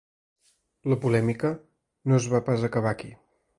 La polèmica no es va pas acabar aquí.